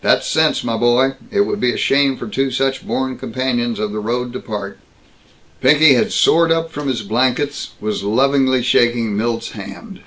"That's sense, my boy. It would be a shame for two such born companions of the road to part!" Pinky had soared up from his blankets; was lovingly shaking Milt's hand.